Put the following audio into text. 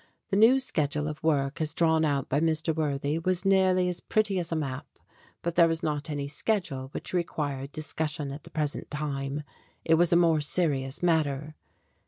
The new schedule of work as drawn out by Mr. Worthy was nearly as pretty as a map. But there was not any schedule which required dis cussion at the present time it was a more serious matter.